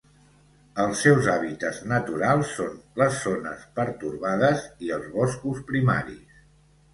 Els seus hàbitats naturals són les zones pertorbades i els boscos primaris.